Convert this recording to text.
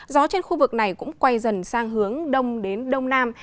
gió trên khu vực này cũng quay dần sang hướng đông đến đông nam